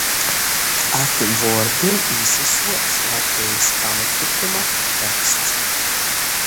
Ar itim vuordim īsasuoc Latvejis pamatlykuma teksts.